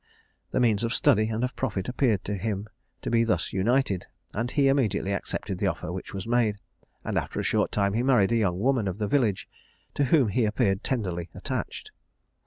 The means of study and of profit appeared to him to be thus united, and he immediately accepted the offer which was made; and after a short time he married a young woman of the village, to whom he appeared tenderly attached.